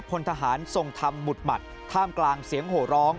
พลทหารทรงธรรมหมุดหมัดท่ามกลางเสียงโหร้อง